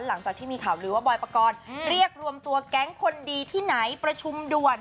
หลังจากที่มีข่าวลือว่าบอยปกรณ์เรียกรวมตัวแก๊งคนดีที่ไหนประชุมด่วน